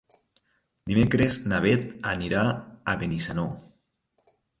Dimecres na Bet anirà a Benissanó.